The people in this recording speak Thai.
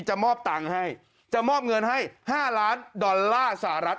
จะมอบเงินให้๕ล้านดอลลาร์สหรัฐ